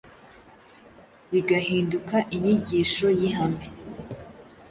bigahinduka inyigisho y’ihame